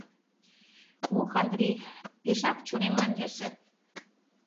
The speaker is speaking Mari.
Ох, Андри, пешак чонемлан йӧсӧ...